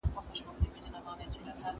د جلات خان ناره په کوم ځای کي وه؟